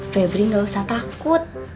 febri tidak usah takut